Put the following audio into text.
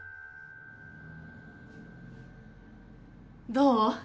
どう？